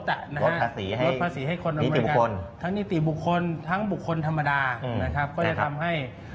ลดภาษีให้นิติบุคคลทั้งนิติบุคคลทั้งบุคคลธรรมดานะครับก็จะทำให้